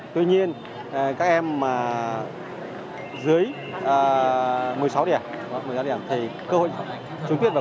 tuy nhiên các em dưới một mươi sáu điểm thì cơ hội trúng tuyển vào